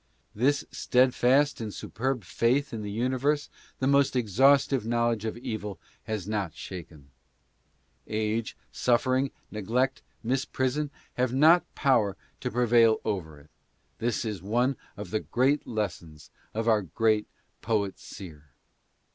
This steadfast and superb faith in the universe the most exhaustive knowledge of evil has not shaken. Age, suffering, neglect, misprision, have not had power to prevail over it. This is one of the great lessons of our great poet seer.